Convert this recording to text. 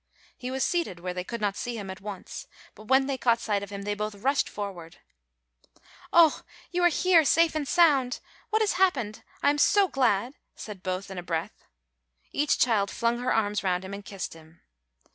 He was seated where they could not see him at once, but when they caught sight of him they both rushed forward. "Oh, you are here safe and sound; what has happened? I am so glad," said both in a breath. Each child flung her arms round him and kissed him.